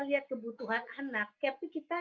lihat kebutuhan anak tapi kita